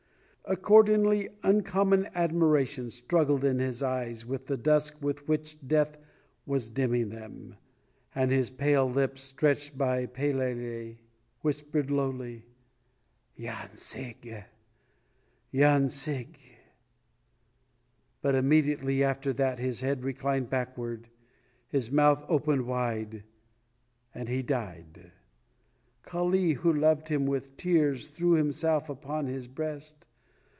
Accordingly uncommon admiration struggled in his eyes with the dusk with which death was dimming them, and his pale lips, stretched by "pelele," whispered lowly: "Yancig! Yancig!" But immediately after that his head reclined backward, his mouth opened wide and he died. Kali, who loved him, with tears threw himself upon his breast.